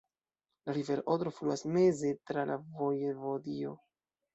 La rivero Odro fluas meze tra la vojevodio.